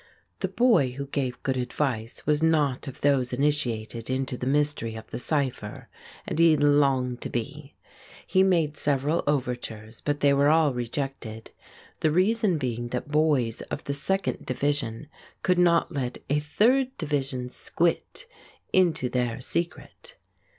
The boy who gave good advice was not of those initiated into the mystery of the cypher, and he longed to be. He made several overtures, but they were all rejected, the reason being that boys of the second division could not let a "third division squit" into their secret.